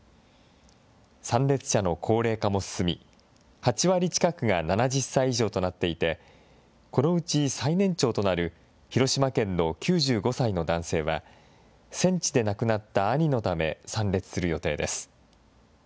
参列者の高齢化も進み、８割近くが７０歳以上となっていて、このうち最年長となる広島県の９５歳の男性は、戦地で亡くなった兄のため、参列する予定です。